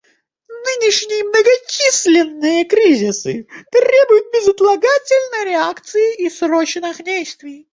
Нынешние многочисленные кризисы требуют безотлагательной реакции и срочных действий.